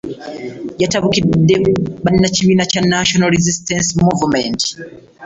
Yatabukidde bannakibiina kya National Resistance Movementi.